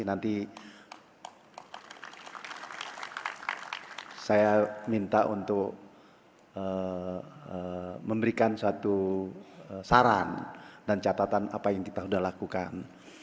nanti saya minta untuk memberikan suatu saran dan catatan apa yang kita sudah lakukan